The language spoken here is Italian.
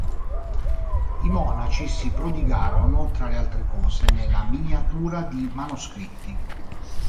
I monaci si prodigarono, tra le altre cose, nella miniatura di manoscritti.